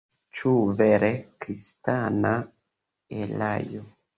Ĉu vere kristana erao?